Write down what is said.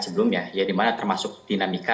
sebelumnya ya dimana termasuk dinamika